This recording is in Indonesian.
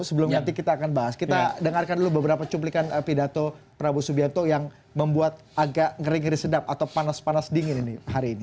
sebelum nanti kita akan bahas kita dengarkan dulu beberapa cuplikan pidato prabowo subianto yang membuat agak ngeri ngeri sedap atau panas panas dingin ini hari ini